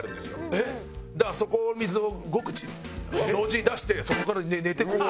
だからそこを水を５口同時に出してそこから寝てこう。